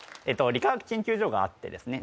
理化学研究所があってですね